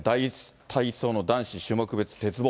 体操の男子種目別鉄棒。